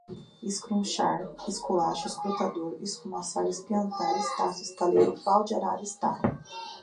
escrunchar, esculacho, escutador, esfumaçar, espiantar, estácio, estaleiro, pau de arara, estarro